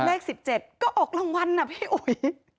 เลข๑๗ก็ออกรางวัลนะพี่อุ๋ย